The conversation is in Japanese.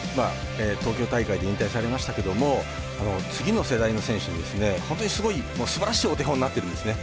東京大会で引退されましたけども次の世代の選手の本当にすばらしいお手本になっているんですね。